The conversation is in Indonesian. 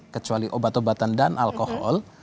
kecuali obat obatan dan alkohol